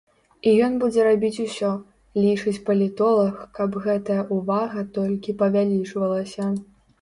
І ён будзе рабіць усё, лічыць палітолаг, каб гэтая ўвага толькі павялічвалася.